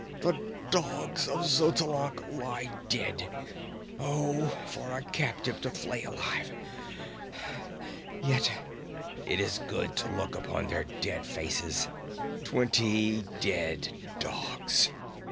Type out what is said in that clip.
The dogs of Xotalanc lie dead! Oh, for a captive to flay alive! Yet it is good to look upon their dead faces. Twenty dead dogs!